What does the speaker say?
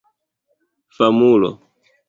famulo